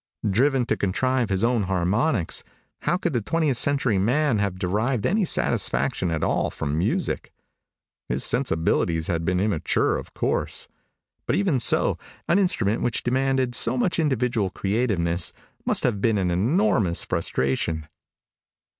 Driven to contrive his own harmonics, how could the twentieth century man have derived any satisfaction at all from music? His sensibilities had been immature, of course. But even so, an instrument which demanded so much individual creativeness must have been an enormous frustration.